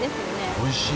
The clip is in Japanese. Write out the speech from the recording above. おいしい。